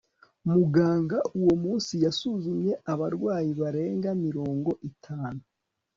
Muganga uwo munsi yasuzumye abarwayi barenga mirongo itanu